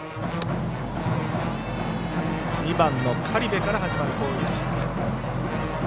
２番の苅部から始まる攻撃。